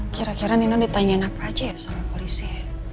kira kira nino ditanyain apa aja ya sama polisi